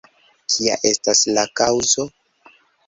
Kia estas la kaŭzo?